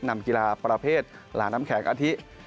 นำกีฬาประเภทลาน้ำแข็งอาทิ